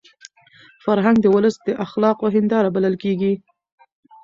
فرهنګ د ولس د اخلاقو هنداره بلل کېږي.